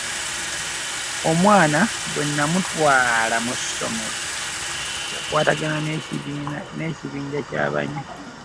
Omwana bwe nnamutwala mu ssomero yakwatagana n'ekibinja ky'abanywi.